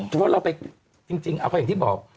เพราะว่าเราไปจริงอย่างที่บอก